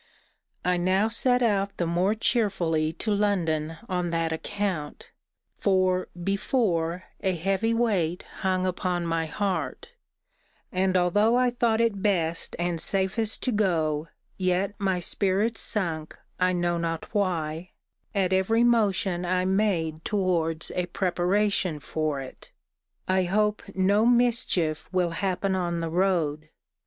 I now set out the more cheerfully to London on that account: for, before, a heavy weight hung upon my heart; and although I thought it best and safest to go, yet my spirits sunk, I know not why, at every motion I made towards a preparation for it. I hope no mischief will happen on the road.